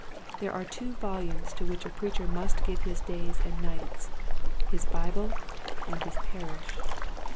There are two volumes to which a preacher must give his days and nights, his Bible and his parish.